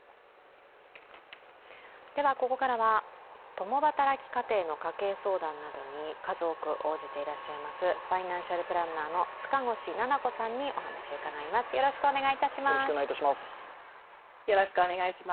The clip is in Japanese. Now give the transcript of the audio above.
ここからは共働き家庭の家計相談などに数多く応じていらっしゃいますファイナンシャルプランナーの塚越菜々子さんにお話を伺います。